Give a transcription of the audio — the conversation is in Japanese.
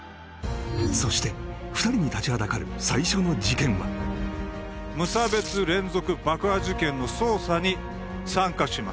そして２人に立ちはだかる最初の事件は無差別連続爆破事件の捜査に参加します